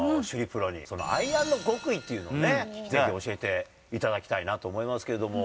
プロに、アイアンの極意っていうのをぜひ教えていただきたいなと思いますけれども。